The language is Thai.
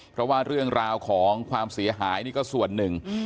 เพราะว่าเรื่องราวของความเสียหายนี่ก็ส่วนหนึ่ง